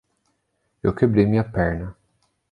Eu quebrei minha perna.